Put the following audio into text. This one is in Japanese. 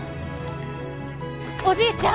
おじいちゃん！